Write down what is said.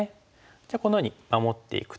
じゃあこのように守っていくと。